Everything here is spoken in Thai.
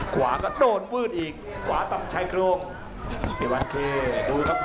หัวขันโดนวืดอีกหัวตำชายโครงอีวานเครดูครับ